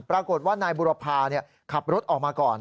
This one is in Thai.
ปรากฏว่านายบุรพาขับรถออกมาก่อน